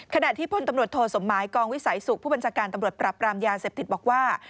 ขณะที่พลตำรวจโทสมหมายกองวิสัยสุขผู้บัญชาการตำรวจปรับรามยาเสพติดบอกว่า